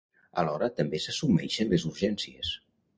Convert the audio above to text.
Alhora també s'assumeixen les urgències.